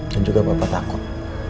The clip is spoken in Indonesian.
dan juga papa takut